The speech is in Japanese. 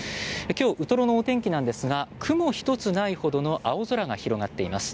今日、ウトロのお天気なんですが雲一つないほどの青空が広がっています。